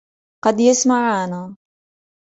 قد يسمعانا.